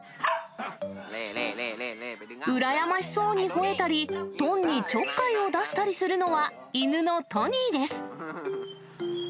羨ましそうにほえたり、トンにちょっかいを出したりするのは、犬のトニーです。